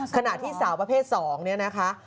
ขณะที่สาวประเภท๒เนี่ยนะคะ